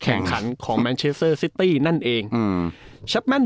แข่งขันของแมนเชสเซอร์ซิตี้นั่นเองอืมแชปแม่น